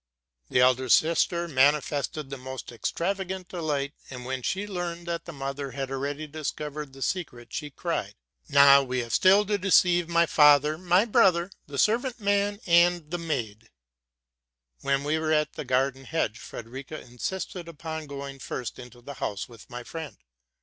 The elder sister manifested the most extravagant delight ; and, when she learned that the mother had already discovered the seeret, she exclaimed, '' Now we have still to deceive my father, my brother, the servant man, and the maid." When we were at the garden hedge, Frederica insisted upon going first into the house with my friend.